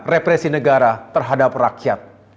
represi negara terhadap rakyat